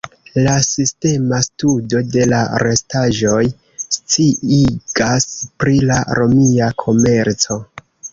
La sistema studo de la restaĵoj sciigas pri la romia komerco.